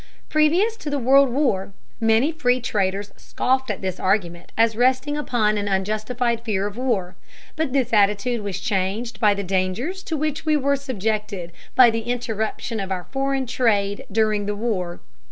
Previous to the World War many free traders scoffed at this argument as resting upon an unjustified fear of war, but this attitude was changed by the dangers to which we were subjected by the interruption of our foreign trade during the war.